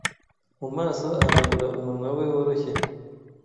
mu maso Ahanagura umunwa we woroshye